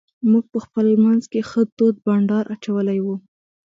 موږ په خپل منځ کې ښه تود بانډار اچولی وو.